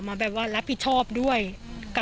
ก็กลายเป็นว่าติดต่อพี่น้องคู่นี้ไม่ได้เลยค่ะ